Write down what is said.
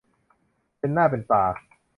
เป็นหน้าเป็นตา